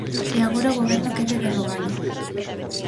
E agora o goberno quere derrogalo.